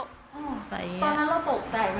ตอนนั้นเราตกใจไหมครับพี่